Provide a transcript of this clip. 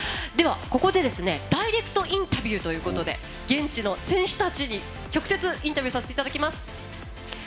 ここでダイレクトインタビューということで現地の選手たちに直接インタビューさせていただきます。